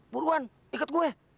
buruan ikat gue